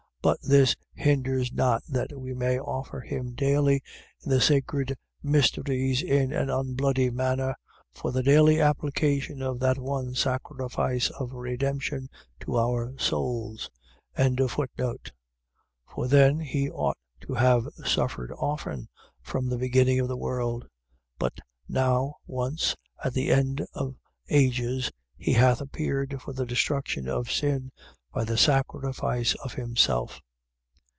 But this hinders not that he may offer himself daily in the sacred mysteries in an unbloody manner, for the daily application of that one sacrifice of redemption to our souls. 9:26. For then he ought to have suffered often from the beginning of the world. But now once, at the end of ages, he hath appeared for the destruction of sin by the sacrifice of himself.